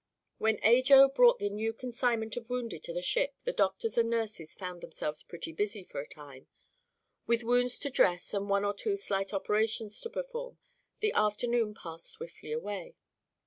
When Ajo brought the new consignment of wounded to the ship the doctors and nurses found themselves pretty busy for a time. With wounds to dress and one or two slight operations to perform, the afternoon passed swiftly away.